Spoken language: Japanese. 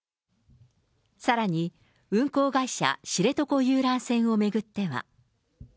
さらに、運航会社、知床遊覧船を巡っては。